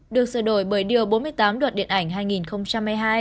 được sửa đổi bởi điều bốn mươi tám luật điện ảnh hai nghìn hai mươi hai